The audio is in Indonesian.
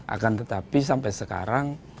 akan tetapi sampai sekarang